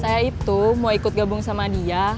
saya itu mau ikut gabung sama dia